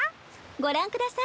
ごらんください。